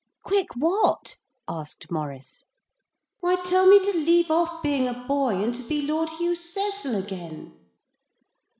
'Quick what?' asked Maurice. 'Why tell me to leave off being a boy, and to be Lord Hugh Cecil again.'